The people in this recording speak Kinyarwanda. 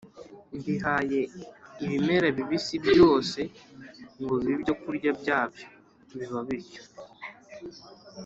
mbihaye ibimera bibisi byose ngo bibe ibyokurya byabyo.” Biba bityo.